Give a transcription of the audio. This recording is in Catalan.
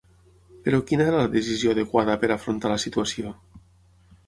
Però quina era la decisió adequada per a afrontar la situació?